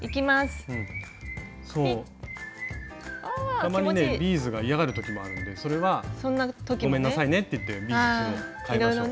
たまにねビーズが嫌がる時もあるんでそれはごめんなさいねって言ってビーズかえましょう。